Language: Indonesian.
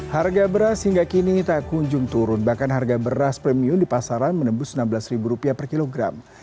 harga beras hingga kini tak kunjung turun bahkan harga beras premium di pasaran menembus rp enam belas per kilogram